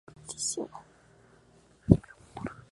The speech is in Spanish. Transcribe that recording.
Øystein fue capturado y asesinado en Bohuslän ese mismo año.